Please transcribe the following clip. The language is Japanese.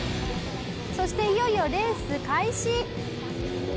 そしていよいよレース開始。